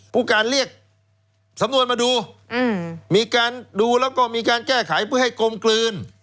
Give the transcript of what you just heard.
ผู้การเรียกสำนวนมาดูมีการดูแล้วก็มีการแก้ไขเพื่อให้กลมกลืน